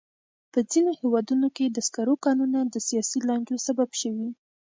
په ځینو هېوادونو کې د سکرو کانونه د سیاسي لانجو سبب شوي.